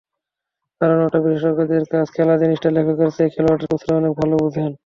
কারণ, ওটা বিশেষজ্ঞদের কাজ, খেলা জিনিসটা লেখকের চেয়ে খেলোয়াড়-কোচরা অনেক ভালো বোঝেন।